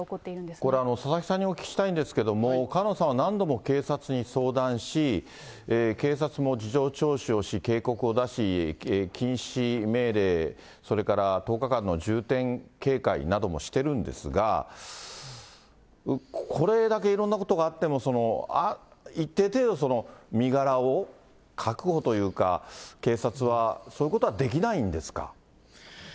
これ佐々木さんにお聞きしたいんですけれども、川野さんは何度も警察に相談し、警察も事情聴取をし、警告を出し、禁止命令、それから１０日間の重点警戒などもしているんですが、これだけいろんなことがあっても、一定程度身柄を確保というか、警察は、そういうことはできないんですか。